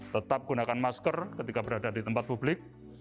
tetap gunakan masker ketika berada di tempat publik